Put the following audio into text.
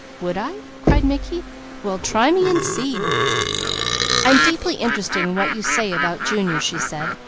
"Would I?" cried Mickey. "Well try me and see!" "I'm deeply interested in what you say about Junior," she said.